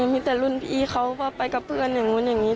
มีแต่รุ่นพี่เขาก็ไปกับเพื่อนอย่างนู้นอย่างนี้